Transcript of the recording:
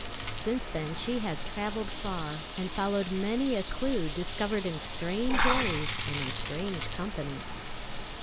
Since then she has travelled far, and followed many a clue discovered in strange ways and in strange company.